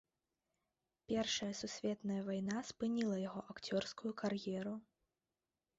Першая сусветная вайна спыніла яго акцёрскую кар'еру.